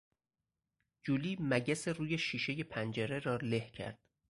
جولی مگس روی شیشهی پنجره را له کرد.